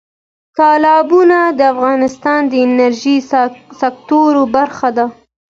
تالابونه د افغانستان د انرژۍ سکتور برخه ده.